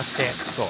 そう。